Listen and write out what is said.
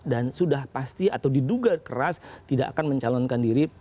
dan sudah pasti atau diduga keras tidak akan mencalonkan diri